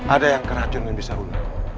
ada yang keracun yang bisa una